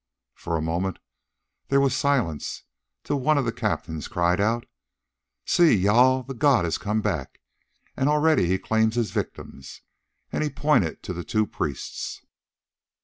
For a moment there was silence; till one of the captains cried out, "See! Jâl the god has come back, and already he claims his victims!" And he pointed to the two priests.